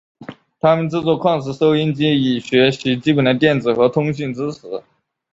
他们制作矿石收音机以学习基本的电子和通信知识。